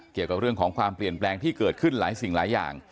เกี่ยวกับเรื่องของความเปลี่ยนแปลงที่เกิดขึ้นหลายสิ่งหลายอย่าง